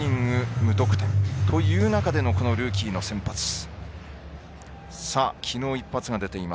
無得点という中でのルーキーの先発です。